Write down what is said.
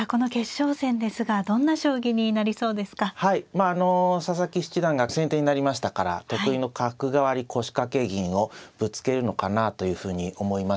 まああの佐々木七段が先手になりましたから得意の角換わり腰掛け銀をぶつけるのかなというふうに思います。